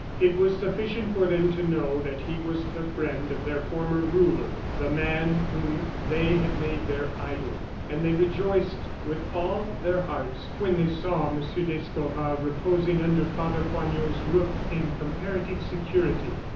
It was sufficient for them to know that he was the friend of their former ruler the man whom they had made their idol, and they rejoiced with all their hearts when they saw M. d'Escorval reposing under Father Poignot's roof in comparative security.